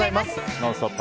「ノンストップ！」